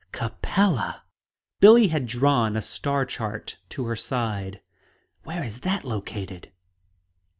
"Capella." Billie had drawn a star chart to her side. "Where is that located?"